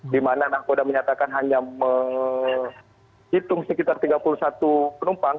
di mana nahkoda menyatakan hanya menghitung sekitar tiga puluh satu penumpang